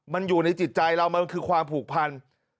มันอยู่ในจิตใจเรามันคือความผูกพัน